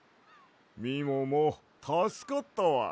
みももたすかったわ。